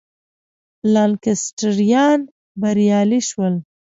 لانکسټریان بریالي شول.